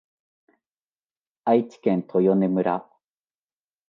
愛知県豊根村